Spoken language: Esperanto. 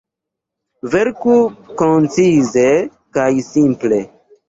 Verku koncize kaj simple.